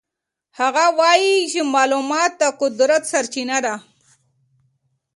هغه وایي چې معلومات د قدرت سرچینه ده.